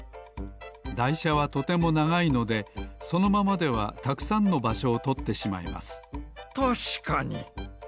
だいしゃはとてもながいのでそのままではたくさんのばしょをとってしまいますたしかに。